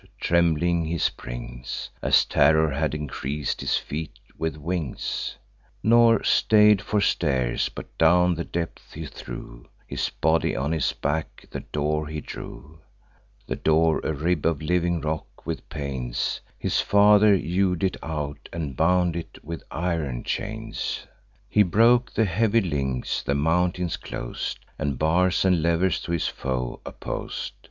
Trembling he springs, As terror had increas'd his feet with wings; Nor stay'd for stairs; but down the depth he threw His body, on his back the door he drew (The door, a rib of living rock; with pains His father hew'd it out, and bound with iron chains): He broke the heavy links, the mountain clos'd, And bars and levers to his foe oppos'd.